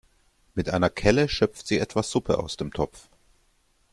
Mit einer Kelle schöpft sie etwas Suppe aus dem Topf.